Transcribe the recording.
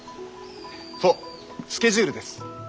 そうスケジュールです。